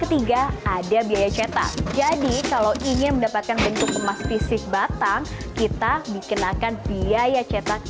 ketiga ada biaya cetak jadi kalau ingin mendapatkan bentuk emas fisik batang kita dikenakan biaya cetak